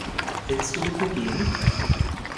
Willst du mit mir gehen?